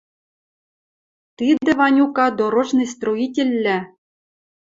— Тидӹ, Ванюка, дорожный строительвлӓ